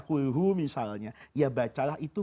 hulhu misalnya ya bacalah itu